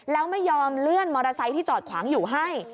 แล้วไม่ยอมเลื่อนมอเตอร์ไซค์ที่จอดขวางอยู่ให้